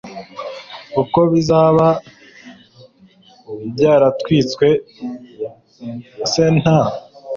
kuko bizaba byaratwitswe c nta